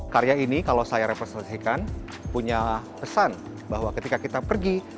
karya ini kalau saya representasikan punya pesan bahwa ketika kita pergi